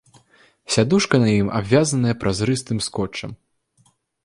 Сядушка на ім абвязаная празрыстым скотчам.